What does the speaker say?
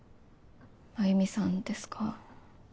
繭美さんですか？